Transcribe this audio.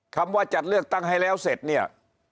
คำว่าจัดเลือกตั้งให้แล้วเสร็จเนี่ย